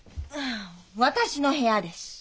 私の部屋です。